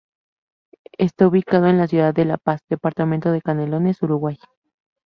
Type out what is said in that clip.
Está ubicado en la ciudad de La Paz, Departamento de Canelones, Uruguay.